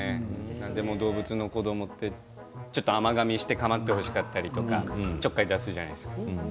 でも動物の子どもって甘がみしてかまってほしかったりとかちょっかい出すじゃないですか。